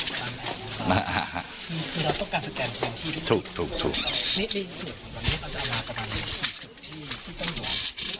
คือเราต้องการสแกนที่ถูกถูกถูก